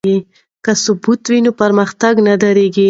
که ثبات وي نو پرمختګ نه دریږي.